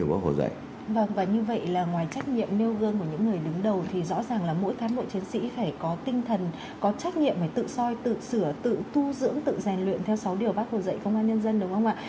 vâng và như vậy là ngoài trách nhiệm nêu gương của những người đứng đầu thì rõ ràng là mỗi cán bộ chiến sĩ phải có tinh thần có trách nhiệm phải tự soi tự sửa tự tu dưỡng tự rèn luyện theo sáu điều bác hồ dạy công an nhân dân đúng không ạ